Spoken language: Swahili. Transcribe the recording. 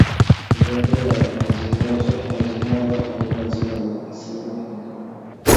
Ugonjwa wa majimoyo hauna jina la asili kwa ngamia